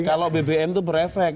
kalau bbm itu berefek